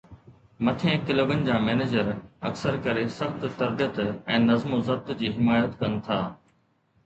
مٿين ڪلبن جا مينيجر اڪثر ڪري سخت تربيت ۽ نظم و ضبط جي حمايت ڪن ٿا.